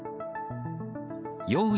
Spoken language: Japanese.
用意